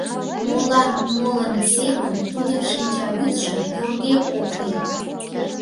Молан молын семын тудын шинчавӱдшӧ йорге ок лек?